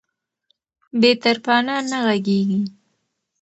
بې طرفانه نه غږیږي